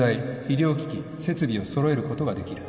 医療機器設備を揃えることができる